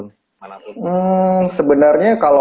durasi film pendek itu sebenarnya masih di mana pun